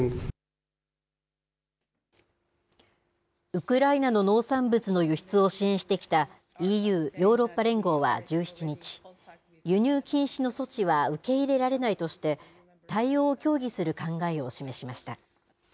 ウクライナの農産物の輸出を支援してきたＥＵ・ヨーロッパ連合は１７日、輸入禁止の措置は受け入れられないとして、対応を協議する考えを示しました。